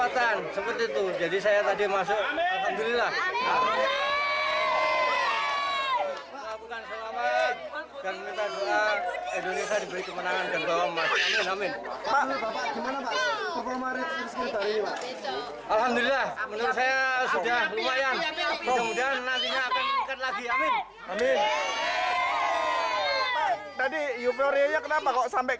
terima kasih om